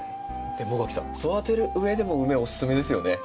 茂垣さん育てるうえでもウメおすすめですよね。